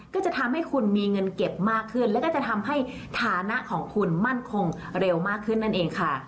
ก็จะทำให้คุณมีเงินเก็บมากขึ้นแล้วก็จะทำให้ฐานะของคุณมั่นคงเร็วมากขึ้นนั่นเองค่ะ